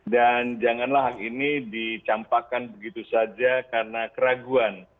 dan janganlah hak ini dicampakan begitu saja karena keraguan